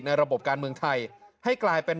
ระบบการเมืองไทยให้กลายเป็น